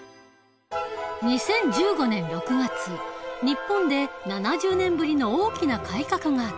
２０１５年６月日本で７０年ぶりの大きな改革があった。